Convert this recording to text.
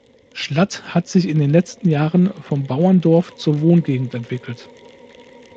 Schlatt hat sich in den letzten Jahren vom Bauerndorf zur Wohngegend entwickelt.